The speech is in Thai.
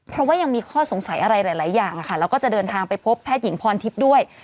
เพราะว่ายังมีข้อสงสัยอะไรหลายอย่างแล้วก็จะเดินทางไปพบแพทย์หญิงพรทิพย์ด้วย